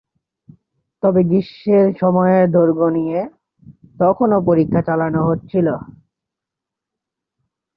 তবে, গ্রীষ্মের সময়ের দৈর্ঘ্য নিয়ে তখনও পরীক্ষা চালানো হচ্ছিল।